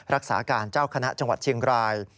รักษาการเจ้าคณะจังหวัดเชียงราย